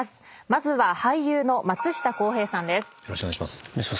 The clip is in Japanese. まずは俳優の松下洸平さんです。